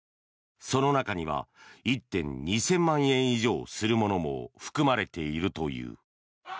その中には１点２０００万円以上するものも含まれているという。